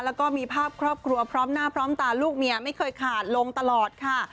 แล้วก็มีภาพครอบครัวพร้อมหน้าพร้อมตาลูกเมียไม่เคยขาดลงตลอดค่ะ